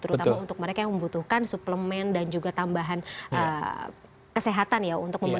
terutama untuk mereka yang membutuhkan suplemen dan juga tambahan kesehatan ya untuk membantu